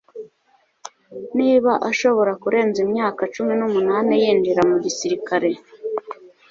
Niba ashobora kurenza imyaka cumi numunani yinjira mu gisirikare